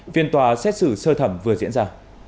viên tòa xét xử sơ thẩm vừa diễn ra